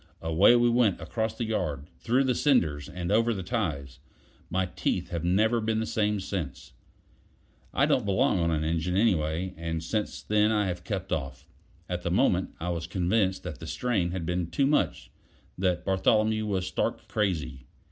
Away we went across the yard, through the cinders, and over the ties; my teeth have never been the same since. I don't belong on an engine, anyway, and since then I have kept off. At the moment, I was convinced that the strain had been too much, that Bartholomew was stark crazy.